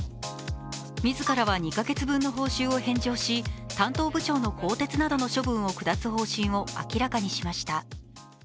自らは２か月分の報酬を返上し、担当部長の更迭などの処分を下す方針を明らかにしました。